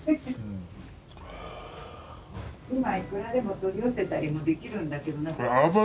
今いくらでも取り寄せたりもできるんだけどなかなか。